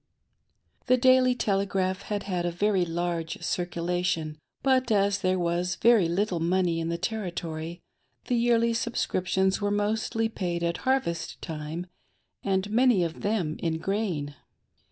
The Batly Telegraph had had a very large circulation, but as there was very little money in the Territory, the yearly subscriptions were mostly paid at harvest time, and many of them in grain.